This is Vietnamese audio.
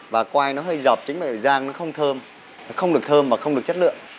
và quay nó hơi dọc chính bởi vì giang nó không thơm nó không được thơm và không được chất lượng